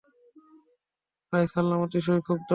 রাসূল সাল্লাল্লাহু আলাইহি ওয়াসাল্লাম অতিশয় ক্ষুব্ধ হন।